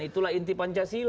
itulah inti pancasila